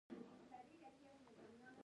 آیا دوی نوي شیان نه اختراع کوي؟